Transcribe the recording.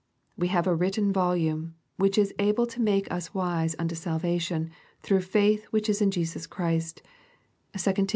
We have a written volume, which is " able to make us wise unto salvation, through faith which is in Christ Jesus/' (2 Tim.